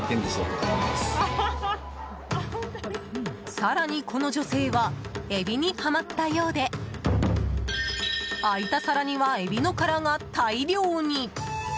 更に、この女性はエビにハマったようで空いた皿にはエビの殻が大量に。